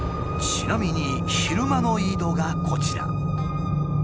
ちなみに昼間の井戸がこちら。